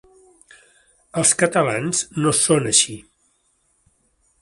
Els catalans no són així.